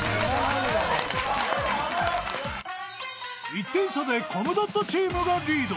［１点差でコムドットチームがリード］